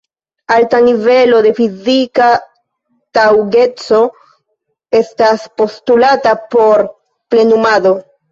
Alta nivelo de fizika taŭgeco estas postulata por plenumado.